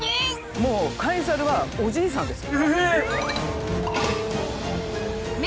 もうカエサルはおじいさんです。